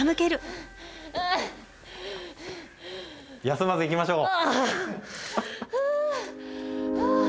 休まずいきましょう！